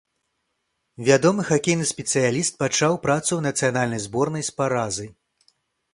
Вядомы хакейны спецыяліст пачаў працу ў нацыянальнай зборнай з паразы.